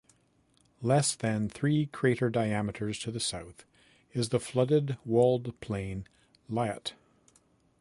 Less than three crater diameters to the south is the flooded walled plain Lyot.